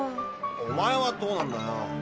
おまえはどうなんだよ？